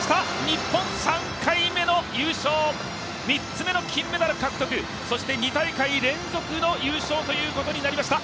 日本、３回目の優勝、３つ目の金メダル獲得、そして２大会連続の優勝ということになりました。